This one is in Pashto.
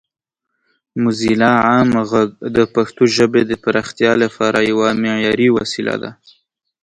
موزیلا عام غږ د پښتو ژبې د پراختیا لپاره یوه معیاري وسیله ده.